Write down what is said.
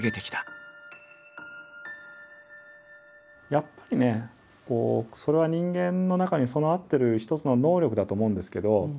やっぱりねそれは人間の中に備わってる一つの能力だと思うんですけど。